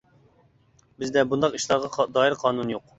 بىزدە بۇنداق ئىشلارغا دائىر قانۇن يوق.